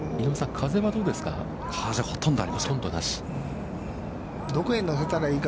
風はどうですか。